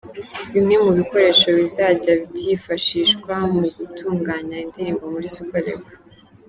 Bimwe mu bikoresho bizajya byifashishwa mu gutunganya indirimbo muri Super Level.